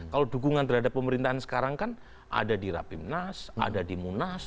kalau dukungan terhadap pemerintahan sekarang kan ada di rapimnas ada di munas